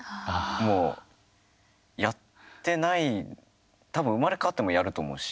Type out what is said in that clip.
もうやってない多分、生まれ変わってもやると思うし。